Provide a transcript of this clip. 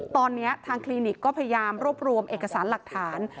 ตอนนี้ทางคลินิกก็พยายามรวบรวมเอกสารหลักฐาน